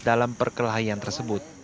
dalam perkelahian tersebut